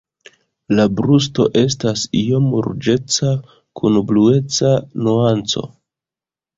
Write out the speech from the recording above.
La brusto estas iom ruĝeca kun blueca nuanco.